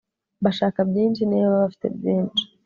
bashaka byinshi niba bafite byinshi